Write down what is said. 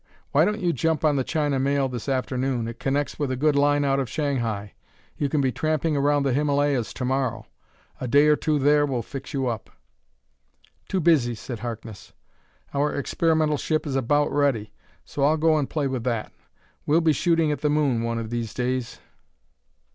Why don't you jump on the China Mail this afternoon; it connects with a good line out of Shanghai. You can be tramping around the Himalayas to morrow. A day or two there will fix you up." "Too busy," said Harkness. "Our experimental ship is about ready, so I'll go and play with that. We'll be shooting at the moon one of these days."